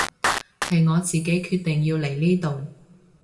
係我自己決定要嚟呢度